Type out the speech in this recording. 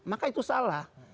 maka itu salah